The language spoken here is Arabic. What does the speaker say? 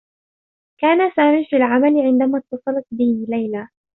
كان سامي في العمل عندما اتّصلت به ليلى.